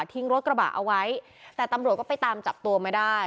รถกระบะเอาไว้แต่ตำรวจก็ไปตามจับตัวไม่ได้